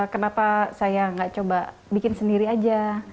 kenapa saya nggak coba bikin sendiri aja